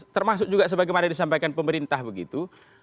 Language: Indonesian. termasuk juga sebagaimana disampaikan pemerintah begitu